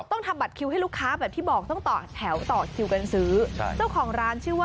ต้องทำบัดคิวให้ลูกค้าแบบที่บอกต้องต่อแถวต่อคิวกันซื้อ